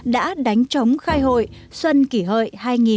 đã đánh chống khai hội xuân kỷ hợi hai nghìn một mươi chín